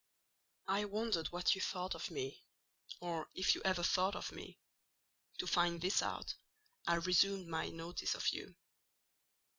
I wondered what you thought of me, or if you ever thought of me, and resolved to find this out. "I resumed my notice of you.